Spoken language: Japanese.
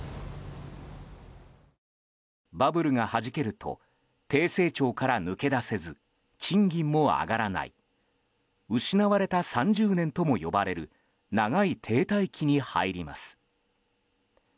バブルがはじけると低成長から抜け出せず賃金も上がらない失われた３０年とも呼ばれる長い停滞期に入ります。